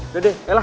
udah deh yalah